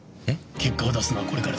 結果を出すのはこれからだ。